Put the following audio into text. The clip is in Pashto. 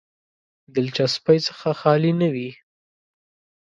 دلچسپۍ څخه خالي نه وي.